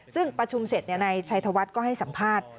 ซึ่งประชุมเสร็จนายชัยธวัฒน์ก็ให้สัมภาษณ์